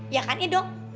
ya kan ya dong